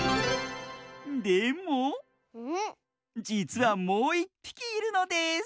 でもじつはもういっぴきいるのです！